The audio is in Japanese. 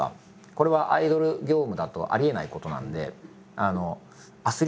これはアイドル業務だとありえないことなんで。